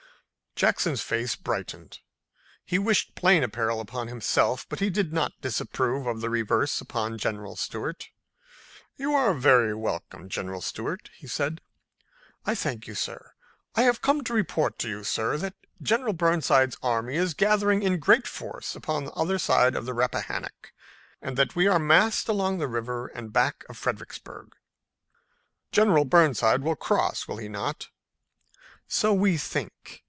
Jackson's face brightened. He wished plain apparel upon himself, but he did not disapprove of the reverse upon General Stuart. "You are very welcome, General Stuart," he said. "I thank you, sir. I have come to report to you, sir, that General Burnside's army is gathering in great force on the other side of the Rappahannock, and that we are massed along the river and back of Fredericksburg." "General Burnside will cross, will he not?" "So we think.